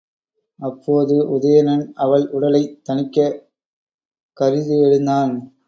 அப்போது உதயணன் அவள் ஊடலைத் தணிக்கக் கருதி எழுந்தான்.